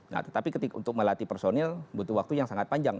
nah tetapi untuk melatih personil butuh waktu yang sangat panjang